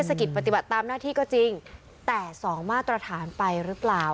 กิจปฏิบัติตามหน้าที่ก็จริงแต่สองมาตรฐานไปหรือเปล่า